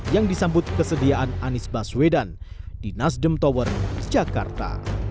yang disambut kesediaan anies baswedan di nasdem tower jakarta